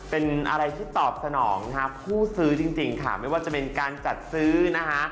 เป็นอะไรที่ตอบสนองนะฮะผู้ซื้อจริงค่ะไม่ว่าจะเป็นการจัดซื้อนะคะ